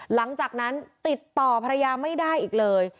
หลังจากนั้นติดต่อภรรยาไม่ได้อีกเลย